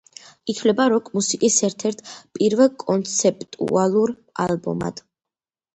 ითვლება როკ-მუსიკის ერთ-ერთ პირველ კონცეპტუალურ ალბომად.